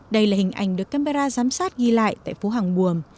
đây là hình ảnh được camera giám sát ghi lại tại phố hàng buồm